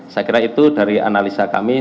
saya kira itu dari analisa kami